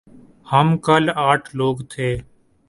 ہم کل آٹھ لوگ تھے ۔